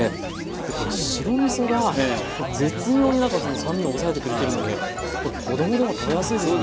これ白みそが絶妙になんかその酸味を抑えてくれてるのでこれ子供でも食べやすいでしょうね。